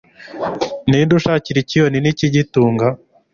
ni nde ushakira ikiyoni ikigitunga